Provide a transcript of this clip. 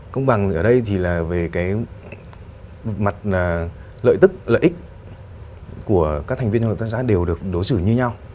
công bằng ở đây thì là về cái mặt lợi tức lợi ích của các thành viên hợp tác xã đều được đối xử như nhau